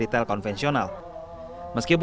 pengamat ekonomi universitas pajajaran dian mbak